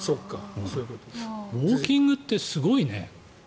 ウォーキングってすごいね。